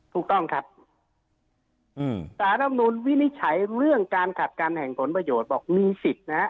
ถูกต้องครับอืมสารรำนุนวินิจฉัยเรื่องการขัดกันแห่งผลประโยชน์บอกมีสิทธิ์นะฮะ